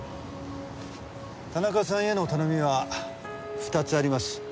田中さんへの頼みは２つあります。